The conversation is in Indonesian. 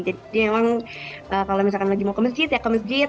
jadi memang kalau misalkan lagi mau ke masjid ya ke masjid